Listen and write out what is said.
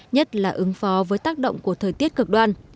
nhất là ứng phó với tác động của thời tiết cực đoan